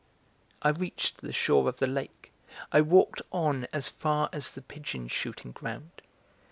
I reached the shore of the lake; I walked on as far as the pigeon shooting ground.